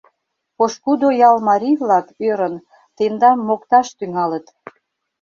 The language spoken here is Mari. Пошкудо ял марий-влак, ӧрын, тендам мокташ тӱҥалыт.